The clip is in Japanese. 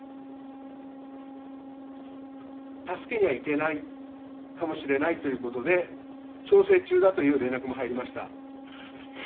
助けには行けないかもしれないということで、調整中だという連絡も入りました。